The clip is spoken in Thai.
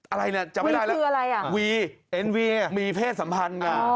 อะไรเนี่ยจำไม่ได้แล้วคืออะไรอ่ะวีเอ็นวีมีเพศสัมพันธ์ไง